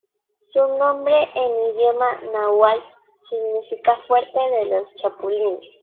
Su nombre en idioma náhuatl significa "Fuerte de los Chapulines".